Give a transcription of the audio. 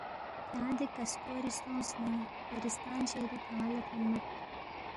کھیانگ دے کسکوری سونگس نہ پرستانی شہری تھن٘ا لہ تھونمت